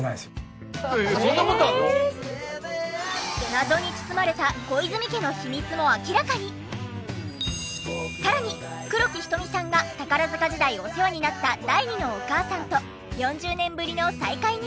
謎に包まれたさらに黒木瞳さんが宝塚時代お世話になった第２のお母さんと４０年ぶりの再会に。